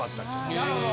なるほど。